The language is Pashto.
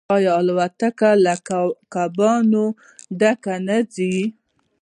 آیا الوتکې له کبانو ډکې نه ځي؟